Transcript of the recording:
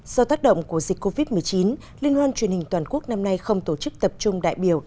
do tác động của dịch covid một mươi chín liên hoan truyền hình toàn quốc năm nay không tổ chức tập trung đại biểu